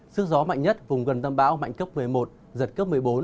sức gió mạnh nhất vùng gần tâm bão mạnh cấp một mươi một giật cấp một mươi bốn